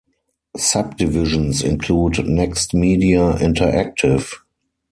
Subdivisions include Next Media Interactive.